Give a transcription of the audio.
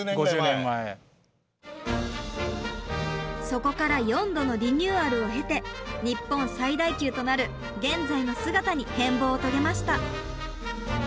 そこから４度のリニューアルを経て日本最大級となる現在の姿に変貌を遂げました。